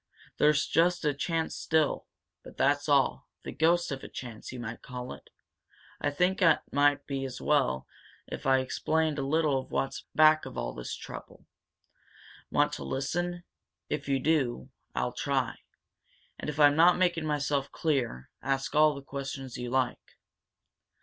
"There's just a chance still, but that's all the ghost of a chance, you might call it. I think it might be as well if I explained a little of what's back of all this trouble. Want to listen? If you do, I'll try. And if I'm not making myself clear, ask all the questions you like."